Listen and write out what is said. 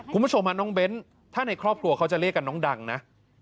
คุณผู้ชมฮะน้องเบ้นถ้าในครอบครัวเขาจะเรียกกันน้องดังนะ